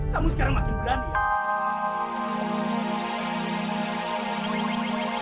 kamu sekarang makin berani